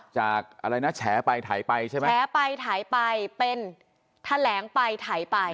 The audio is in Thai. จากอะไรนะแฉไปถ่ายไปใช่ไหมแฉไปถ่ายไปเป็นแถลงไปถ่ายไป